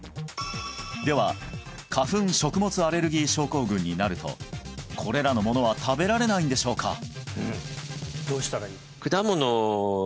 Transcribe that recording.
では花粉・食物アレルギー症候群になるとこれらのものは食べられないんでしょうか？